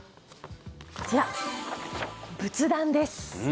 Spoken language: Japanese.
こちら、仏壇です。